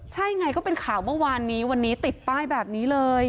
ใช่ไงก็เป็นข่าวเมื่อวานนี้วันนี้ติดป้ายแบบนี้เลย